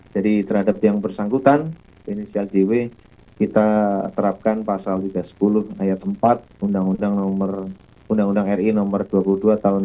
jadi terhadap yang bersangkutan ini si ljw kita terapkan pasal tiga puluh ayat empat undang undang ri nomor dua puluh dua tahun dua ribu dua puluh